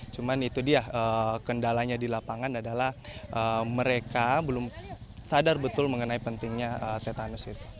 cuman itu dia kendalanya di lapangan adalah mereka belum sadar betul mengenai pentingnya tetanus itu